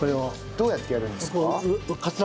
どうやってやるんですか？